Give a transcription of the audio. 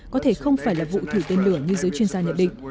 có thể không phải là vụ thử tên lửa như giới chuyên gia nhận định